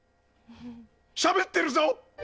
しゃべってるぞ！